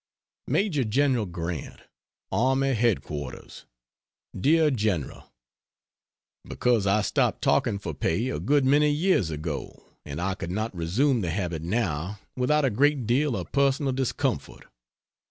MAJOR GENERAL GRANT, Army Headquarters. DEAR GENERAL, Because I stopped talking for pay a good many years ago, and I could not resume the habit now without a great deal of personal discomfort.